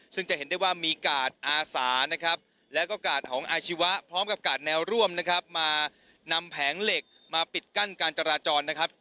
ซึ่งจะเห็นได้ว่ามีกาดอาสานะครับแล้วก็กาดของอาชีวะพร้อมกับกาดแนวร่วมนะครับมานำแผงเหล็กมาปิดกั้นการจราจรนะครับ